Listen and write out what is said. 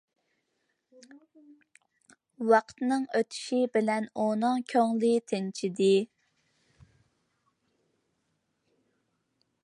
ۋاقىتنىڭ ئۆتۈشى بىلەن ئۇنىڭ كۆڭلى تىنچىدى.